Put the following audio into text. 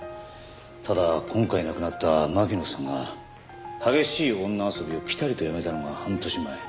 ただ今回亡くなった巻乃さんが激しい女遊びをピタリとやめたのが半年前。